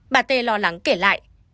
bà tê lo lắng kể lại